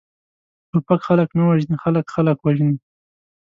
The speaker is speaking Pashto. ټوپک خلک نه وژني، خلک، خلک وژني!